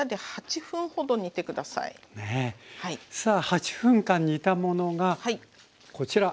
さあ８分間煮たものがこちら。